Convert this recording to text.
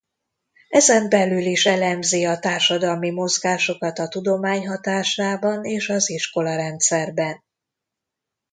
Ezen belül is elemzi a társadalmi mozgásokat a tudomány hatásában és az iskolarendszerben.